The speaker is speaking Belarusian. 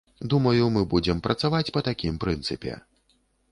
Думаю, мы будзем працаваць па такім прынцыпе.